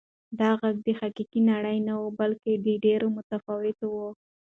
دا غږ د حقیقي نړۍ نه و بلکې ډېر متفاوت و.